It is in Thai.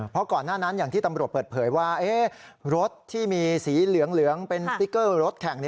เพราะก่อนหน้านั้นอย่างที่ตำรวจเปิดเผยว่ารถที่มีสีเหลืองเป็นสติ๊กเกอร์รถแข่ง